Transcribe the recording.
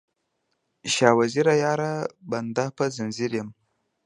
شاه وزیره یاره، بنده په ځنځیر یم